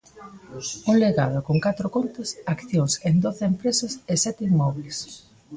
Un legado con catro contas, accións en doce empresas e sete inmobles.